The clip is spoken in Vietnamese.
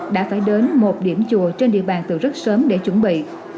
đã phải đến một điểm chùa trên địa bàn từ rất sớm để chuẩn bị